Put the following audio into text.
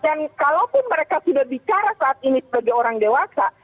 dan kalaupun mereka sudah bicara saat ini sebagai orang dewasa